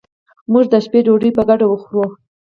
موږ به د شپې ډوډي په ګډه وخورو